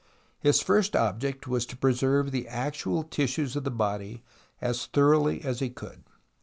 His first object was to preserve the victual tissues of the body as thoroughly as he could.